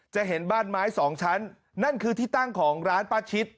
เห็นบ้านไม้สองชั้นนั่นคือที่ตั้งของร้านป้าชิด